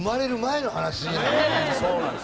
そうなんです。